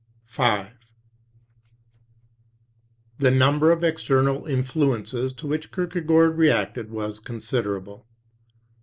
The number of external influences to which Kierkegaard reacted was considerable.